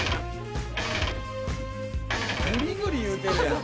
グリグリいうてるやん。